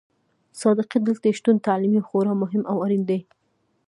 صادقې ډلې شتون تعلیمي خورا مهم او اړين دي.